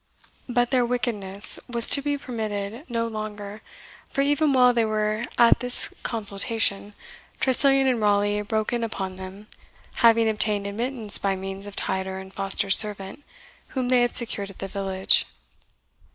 But their wickedness was to be permitted no longer; for even while they were at this consultation, Tressilian and Raleigh broke in upon them, having obtained admittance by means of Tider and Foster's servant, whom they had secured at the village.